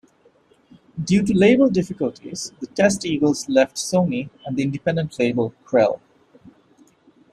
Due to label difficulties, the Testeagles left Sony and the independent label, Krell.